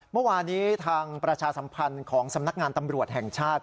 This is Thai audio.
เมื่อวานี้ทางประชาสัมพันธ์ของสำนักงานตำรวจแห่งชาติ